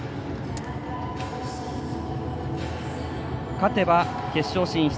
勝てば決勝進出。